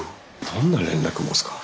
どんな連絡網っすか？